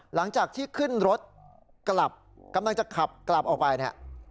หลังจากที่ขึ้นรถกลับกำลังจะขับกลับออกไปเนี่ย